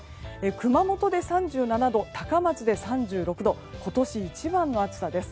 熊本で３７度、高松で３６度今年一番の暑さです。